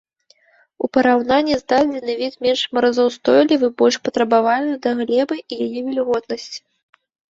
У параўнанні з дадзены від менш марозаўстойлівы, больш патрабавальны да глебы і яе вільготнасці.